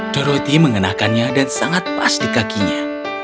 doroti mengenakannya dan sangat pas di kakinya